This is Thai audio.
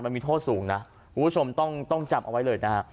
มันมีโทษสูงนะคุณผู้ชมต้องจำเอาไว้เลยนะฮะ